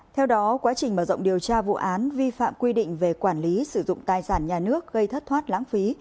theo đó quá trình mở rộng điều tra vụ án vi phạm quy định về quản lý sử dụng tài sản nhà nước gây thất thoát lãng phí